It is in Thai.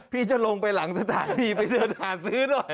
พี่จะลงไปหลังสถานีไปเดินหาซื้อหน่อย